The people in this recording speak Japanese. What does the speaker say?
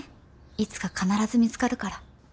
いつか必ず見つかるから。